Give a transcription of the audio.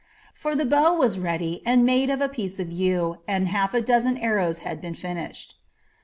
For the bow was ready and made of a piece of yew, and half a dozen arrows had been finished.